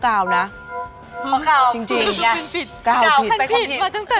ก้าวผิด